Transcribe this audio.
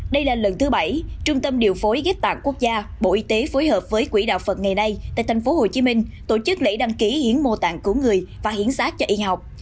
đây là lần thứ bảy trung tâm điều phối ghép tạng quốc gia bộ y tế phối hợp với quỹ đạo phật ngày nay tại tp hcm tổ chức lễ đăng ký hiến mô tạng cứu người và hiến sát cho y học